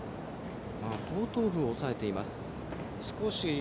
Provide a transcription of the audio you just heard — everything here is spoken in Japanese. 後頭部を押さえています。